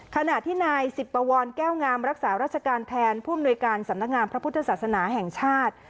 ขณะที่นายสิบปวรแก้วงามรักษาราชการแทนผู้อำนวยการสำนักงามพระพุทธศาสนาแห่งชาติ